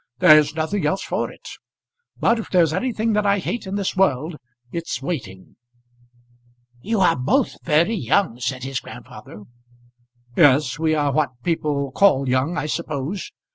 "There's nothing else for it. But if there's anything that I hate in this world, it's waiting." "You are both very young," said his grandfather. "Yes; we are what people call young, I suppose.